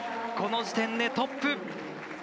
この時点でトップ！